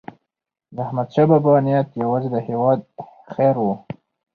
داحمدشاه بابا نیت یوازې د هیواد خیر و.